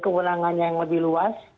kewenangannya yang lebih luas